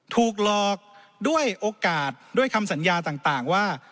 ถูกหลอกด้วยโอกาสด้วยคำสัญญาต่างว่า